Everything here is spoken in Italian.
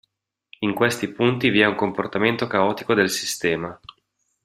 In questi punti vi è un comportamento caotico del sistema.